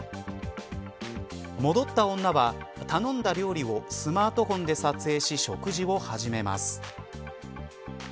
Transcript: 戻った女は頼んだ料理をスマートフォンで撮影し食事を始めます。